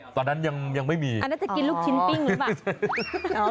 ตอนนั้นยังไม่มีอันนั้นจะกินลูกชิ้นปิ้งหรือเปล่า